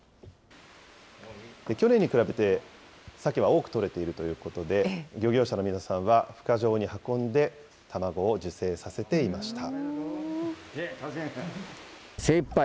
去年に比べて、サケは多く取れているということで、漁業者の皆さんは、ふ化場に運んで、卵を受精させていました。